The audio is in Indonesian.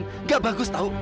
tidak bagus tahu